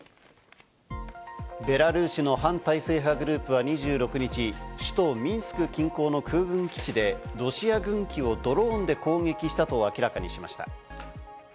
ベラルーシの反体制派グループは２６日、首都ミンスク近郊の空軍基地でロシア軍機をドローンで攻撃したと明らかにしました。